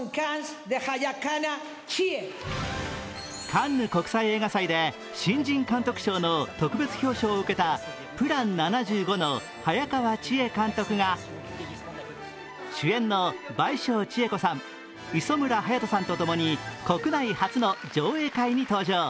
カンヌ国際映画祭で新人監督賞の特別表彰を受けた「ＰＬＡＮ７５」の早川千絵監督が主演の倍賞千恵子さん、磯村勇斗さんと共に国内初の上映会に登場。